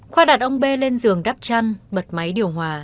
khoa đạt ông b lên giường đắp chăn bật máy điều hòa